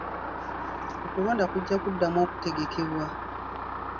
Okulonda kujja kuddamu okutegekebwa.